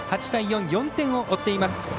８対４、４点を追っています。